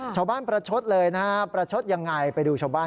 คุณจะร้องเรียนไปที่ไหนไหม